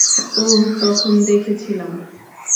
ওহ, তখন দেখেছিলাম।